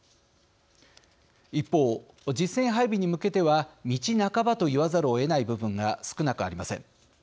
一方実戦配備に向けては道半ばと言わざるをえない部分が少なくありません。